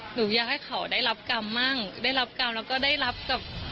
หนูอยากให้เขาได้รับกรรมมั่งได้รับกรรมแล้วก็ได้รับกับ